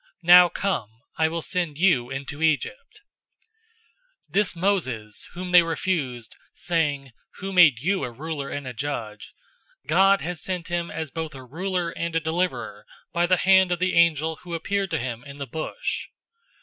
Now come, I will send you into Egypt.'{Exodus 3:5,7 8,10} 007:035 "This Moses, whom they refused, saying, 'Who made you a ruler and a judge?' God has sent him as both a ruler and a deliverer by the hand of the angel who appeared to him in the bush.